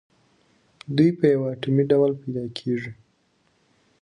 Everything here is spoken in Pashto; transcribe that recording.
دوی په یو اتومي ډول پیداکیږي.